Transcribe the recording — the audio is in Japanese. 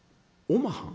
「おまはん？